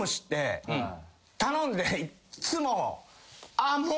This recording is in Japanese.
頼んでいっつも。